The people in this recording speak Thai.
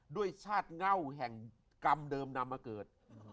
ด้วยชาติเง่าแห่งกรรมเดิมนำมาเกิด